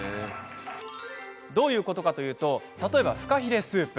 どういうことかというと例えば、ふかひれスープ。